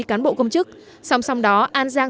cán bộ công chức sòng sòng đó an giang